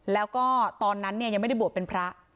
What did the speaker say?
แล้วก็ตอนนั้นยังไม่ได้บวชเป็นพระ